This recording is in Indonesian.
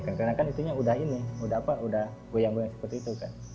karena kan itunya sudah ini sudah apa sudah goyang goyang seperti itu kan